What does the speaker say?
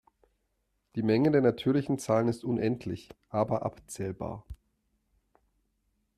Die Menge der natürlichen Zahlen ist unendlich aber abzählbar.